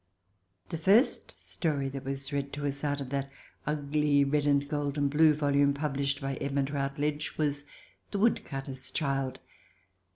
... The first story that was read to us out of that ugly red and gold and blue volume published by Edmund Routledge, was " The Woodcutter's Child."